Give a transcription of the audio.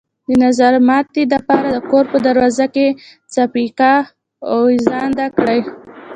د نظرماتي د پاره د كور په دروازه کښې څپياكه اوېزانده کړه۔